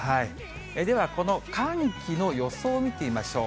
では寒気の予想を見てみましょう。